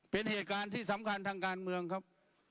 เป็นเหตุการณ์ที่สำคัญทางการเมืองครับ